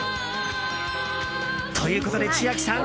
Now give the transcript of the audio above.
ということで、千秋さん。